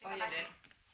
oh ya den